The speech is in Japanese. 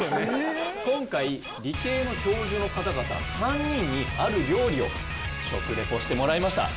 今回理系の教授の方々３人にある料理を食レポしてもらいました。